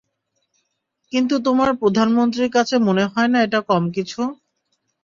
কিন্তু তোমার প্রধানমন্ত্রীর কাছে মনে হয় না এটা কম কিছু।